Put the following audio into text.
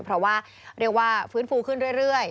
เพราะว่าเรียกว่าฟื้นฟูขึ้นเรื่อย